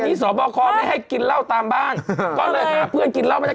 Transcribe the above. สอบคอไม่ให้กินเหล้าตามบ้านก็เลยหาเพื่อนกินเหล้าไม่ได้